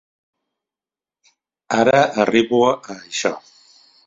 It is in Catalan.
Ara arribo a això.